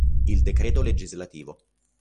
Il Decreto lgs.